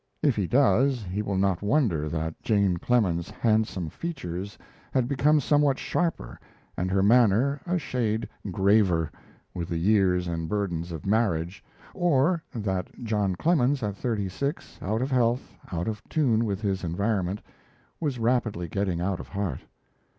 If he does he will not wonder that Jane Clemens's handsome features had become somewhat sharper, and her manner a shade graver, with the years and burdens of marriage, or that John Clemens at thirty six out of health, out of tune with his environment was rapidly getting out of heart.